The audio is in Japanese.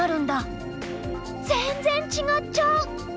全然違っちゃう！